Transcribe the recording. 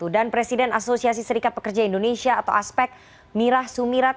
dan presiden asosiasi serikat pekerja indonesia atau aspek mirah sumirat